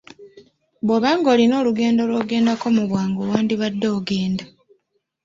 Bw'oba nga olina olugendo lw'ogendako mu bwangu wandibadde ogenda.